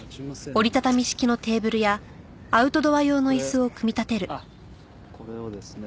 これあっこれをですね。